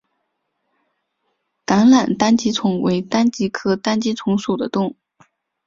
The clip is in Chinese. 橄榄单极虫为单极科单极虫属的动物。